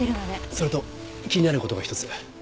それと気になる事が一つ。